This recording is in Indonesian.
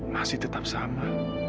masih tetap sama